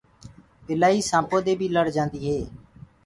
ٻِلآئي سآنپو دي بي لڙ جآندي هي۔